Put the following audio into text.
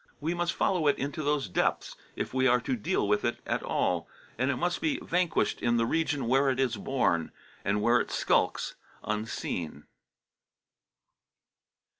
We must follow it into those depths if we are to deal with it at all, and it must be vanquished in the region where it is born, and where it skulks unseen.